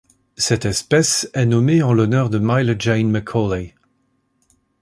Cette espèce est nommée en l'honneur de Mila Jane Macaulay.